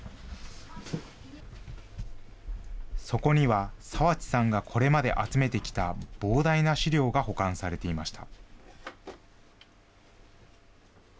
そこには、澤地さんがこれまで集めてきた膨大な資料が保管されていました。